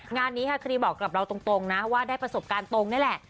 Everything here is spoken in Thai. งานนี้ค่ะครีบอกกับเราตรงนะว่าได้ประสบการณ์ตรงนี่แหละ